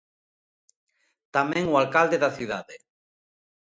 Tamén o alcalde da cidade.